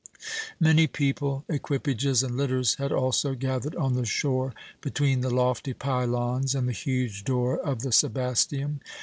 Many people, equipages, and litters had also gathered on the shore, between the lofty pylons and the huge door of the Sebasteum.